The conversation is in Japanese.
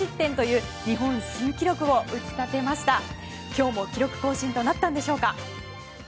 今日も記録更新となったんでしょうか。